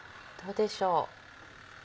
どうでしょう。